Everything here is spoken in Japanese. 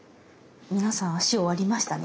皆さん足終わりましたね。